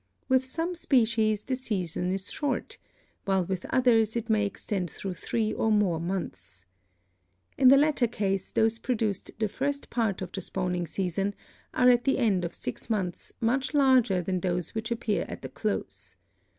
With some species the season is short, while with others it may extend through three or more months. In the latter case those produced the first part of the spawning season are at the end of six months much larger than those which appear at the close.